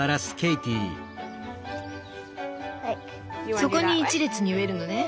そこに一列に植えるのね。